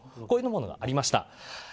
こういったものがありました。